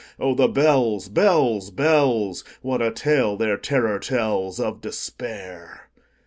Oh, the bells, bells, bells! What a tale their terror tellsOf Despair!